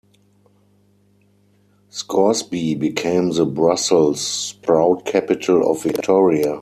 Scoresby became the Brussels sprout capital of Victoria.